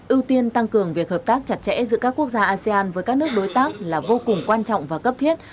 ưu tiên tăng cường việc hợp tác chặt chẽ giữa các quốc gia asean với các nước đối tác là vô cùng quan trọng và cấp thiết